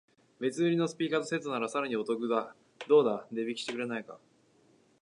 別売りのスピーカーとセットならさらにお買い得